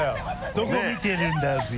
どこ見てるんだぜぇ！